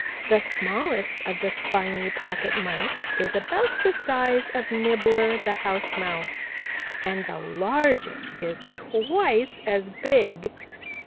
The smallest of the Spiny Pocket Mice is about the size of Nibbler the House Mouse and the largest is twice as big.